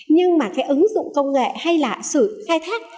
nhưng mà cái ứng dụng công nghệ hay là sự khai thác